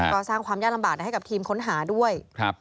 ก็สร้างความยากลำบากให้กับทีมค้นหาด้วย